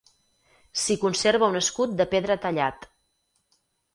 S'hi conserva un escut de pedra tallat.